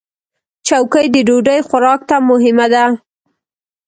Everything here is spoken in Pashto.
چوکۍ د ډوډۍ خوراک ته مهمه ده.